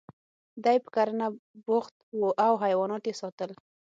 دی په کرنه بوخت و او حیوانات یې ساتل